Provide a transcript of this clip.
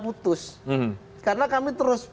putus karena kami terus